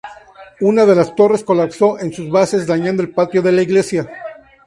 Una de las torres colapsó en sus bases, dañando el patio de la iglesia.